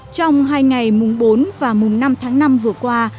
trong hai ngày mùng bốn và mùng năm tháng năm vừa qua